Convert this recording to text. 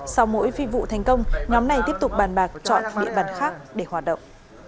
sau mỗi phi vụ thành công nhóm này tiếp tục bàn bạc chọn địa bàn khác để hoạt động